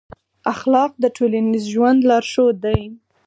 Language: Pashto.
اخلاق د ټولنیز ژوند لارښود دی.